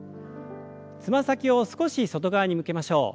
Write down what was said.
つま先を少し外側に向けましょう。